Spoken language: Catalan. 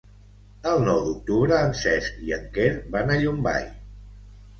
El nou d'octubre en Cesc i en Quer van a Llombai.